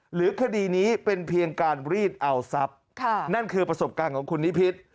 หรือคดีนี้เป็นเพียงการรีดเอาทรัพย์นั่นคือประสบการณ์ของคุณนิพิษ